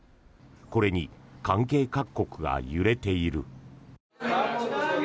これに関係各国が揺れている。